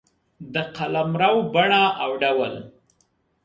د قلمرو بڼه او ډول